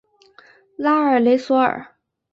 拉尔雷索尔。